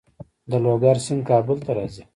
د لوګر سیند کابل ته راځي